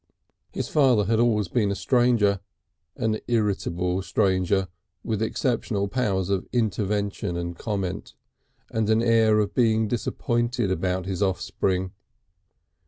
His father had always been a stranger, an irritable stranger with exceptional powers of intervention and comment, and an air of being disappointed about his offspring.